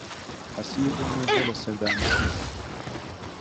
حەسیر بێنێ بۆ لە سەر دانیشتن